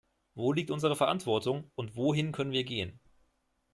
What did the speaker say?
Wo liegt unsere Verantwortung, und wohin können wir gehen?